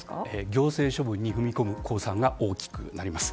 行政処分に踏み込む公算が大きくなります。